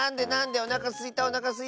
おなかすいたおなかすいた！